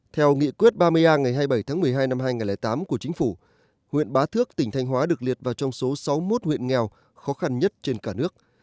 theo nghị quyết ba mươi a ngày hai mươi bảy tháng một mươi hai năm hai nghìn tám của chính phủ huyện bá thước tỉnh thanh hóa được liệt vào trong số sáu mươi một huyện nghèo khó khăn nhất trên cả nước